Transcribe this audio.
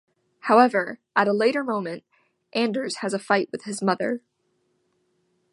However, at a later moment, Anders has a fight with his mother.